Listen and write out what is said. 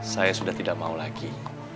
saya sudah tidak mau lagi